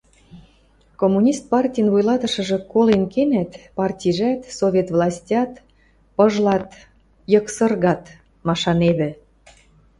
Коммунист партин вуйлатышыжы колен кенӓт, партижӓт, Совет властьат пыжлат, йыксыргат машаневӹ.